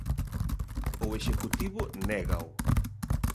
O Executivo négao.